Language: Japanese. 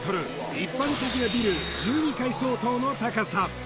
一般的なビル１２階相当の高さ